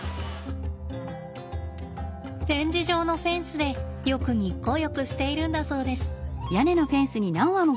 展示場のフェンスでよく日光浴しているんだそうです。